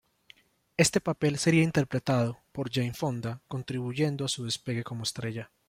Este papel sería interpretado por Jane Fonda, contribuyendo a su despegue como estrella.